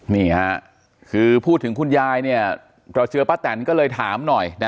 นี่ค่ะคือพูดถึงคุณยายเนี่ยเราเจอป้าแตนก็เลยถามหน่อยนะ